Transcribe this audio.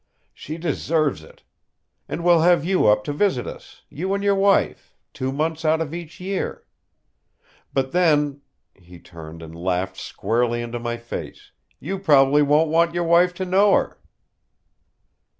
She deserves it. And we'll have you up to visit us you and your wife two months out of each year. But then" he turned and laughed squarely into my face "you probably won't want your wife to know her."